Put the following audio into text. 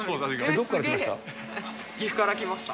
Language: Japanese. どこから来ました？